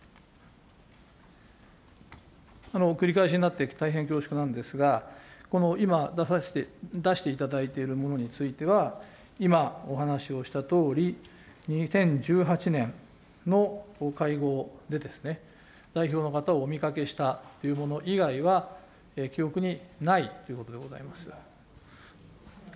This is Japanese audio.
繰り返しになって大変恐縮なんですが、この今、出していただいているものについては、今お話をしたとおり、２０１８年の会合で、代表の方をお見かけしたというもの以外は、記憶にないということでございます。